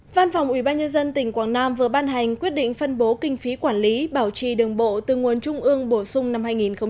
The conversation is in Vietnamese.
văn phòng ubnd tỉnh quảng nam vừa ban hành quyết định phân bố kinh phí quản lý bảo trì đường bộ từ nguồn trung ương bổ sung năm hai nghìn một mươi bảy